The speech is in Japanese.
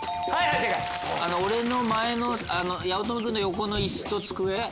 俺の前の八乙女君の横の椅子と机。